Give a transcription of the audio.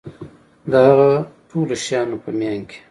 د هغه ټولو شیانو په میان کي